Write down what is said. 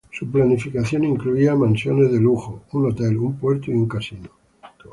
Su planificación incluía mansiones de lujo, un hotel, un puerto y un casino.